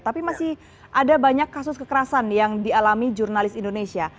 tapi masih ada banyak kasus kekerasan yang dialami jurnalis indonesia